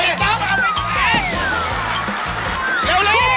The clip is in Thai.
เอาเลย